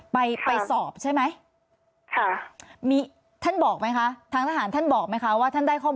ไปสอบใช่ไหม